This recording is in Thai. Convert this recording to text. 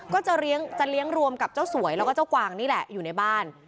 ก็จะเลี้ยงรวมกับเจ้าสวยแล้วก็เจ้ากวางนี่แหละอยู่ในบ้าน